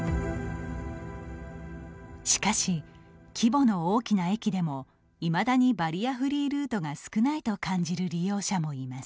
しかし、規模の大きな駅でもいまだにバリアフリールートが少ないと感じる利用者もいます。